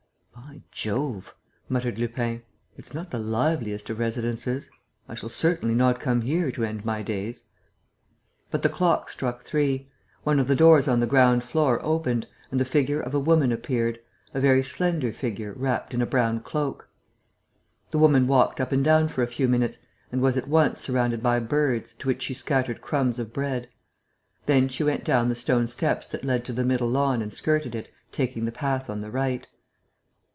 "By Jove!" muttered Lupin. "It's not the liveliest of residences. I shall certainly not come here to end my days!" But the clock struck three; one of the doors on the ground floor opened; and the figure of a woman appeared, a very slender figure wrapped in a brown cloak. The woman walked up and down for a few minutes and was at once surrounded by birds, to which she scattered crumbs of bread. Then she went down the stone steps that led to the middle lawn and skirted it, taking the path on the right.